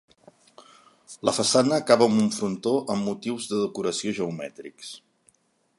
La façana acaba amb un frontó amb motius de decoració geomètrics.